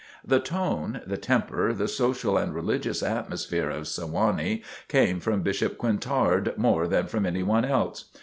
The tone, the temper, the social and religious atmosphere of Sewanee came from Bishop Quintard more than from anyone else.